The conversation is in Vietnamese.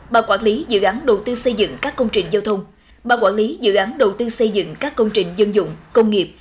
ban quản lý dự án đầu tư xây dựng các công trình giao thông ban quản lý dự án đầu tư xây dựng các công trình dân dụng công nghiệp